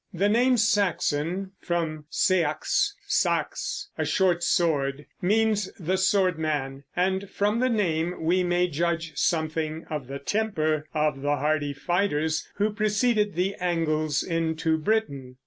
The name Saxon from seax, sax, a short sword, means the sword man, and from the name we may judge something of the temper of the hardy fighters who preceded the Angles into Britain.